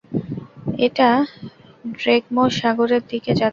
এটা ড্রেগমোর সাগরের দিকে যাচ্ছে।